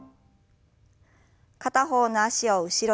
片方の脚を後ろに。